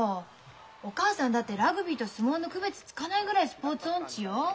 お母さんだってラグビーと相撲の区別つかないぐらいスポーツ音痴よ。